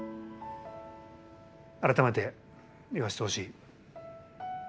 改めて言わせてほしい。